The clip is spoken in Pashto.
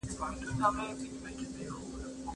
کله چي لمر ډوب سي نو خلک بېدېږي.